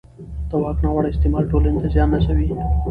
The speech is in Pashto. د واک ناوړه استعمال ټولنې ته زیان رسوي